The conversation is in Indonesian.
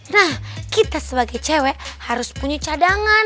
nah kita sebagai cewek harus punya cadangan